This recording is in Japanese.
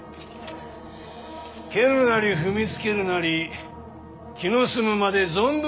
蹴るなり踏みつけるなり気の済むまで存分になさいませ。